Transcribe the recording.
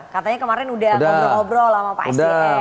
katanya kemarin sudah ngobrol ngobrol sama pak sml